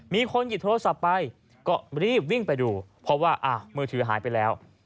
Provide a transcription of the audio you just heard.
มีคนหยิบโทรศัพท์ไปก็รีบวิ่งไปดูเพราะว่ามือถือหายไปแล้ว